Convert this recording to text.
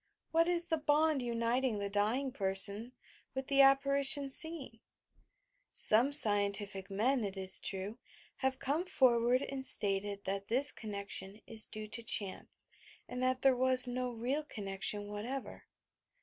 What is the bond APPARITIONS 237 uniting the dying person with the apparition seent" Some scientific men, it is tmt, have come forward and stated that this connection is due to chance and that there was no real connection whatever.